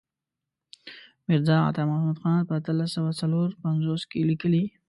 میرزا عطا محمد خان په اتلس سوه څلور پنځوس کې لیکلی.